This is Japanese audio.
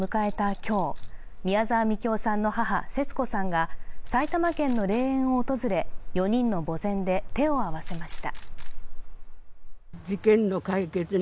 今日宮沢みきおさんの母・節子さんが埼玉県の霊園を訪れ、４人の墓前で手を合わせました。